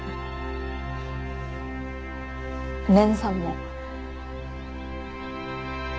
蓮さんも。